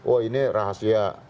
oh ini rahasia